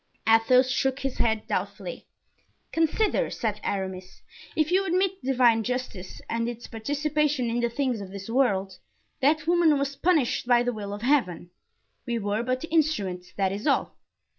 Athos shook his dead doubtfully. "Consider," said Aramis, "if you admit divine justice and its participation in the things of this world, that woman was punished by the will of heaven. We were but the instruments, that is all."